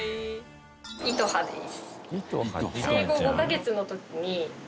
絃葉です。